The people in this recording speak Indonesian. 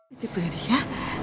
itu beri ya